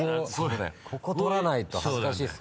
ここ取らないと恥ずかしいです。